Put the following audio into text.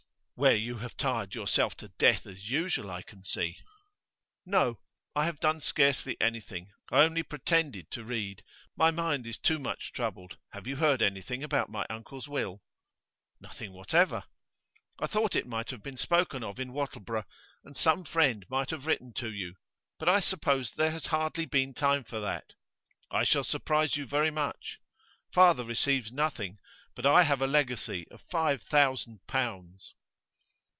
'Where you have tired yourself to death as usual, I can see.' 'No; I have done scarcely anything. I only pretended to read; my mind is too much troubled. Have you heard anything about my uncle's will?' 'Nothing whatever.' 'I thought it might have been spoken of in Wattleborough, and some friend might have written to you. But I suppose there has hardly been time for that. I shall surprise you very much. Father receives nothing, but I have a legacy of five thousand pounds.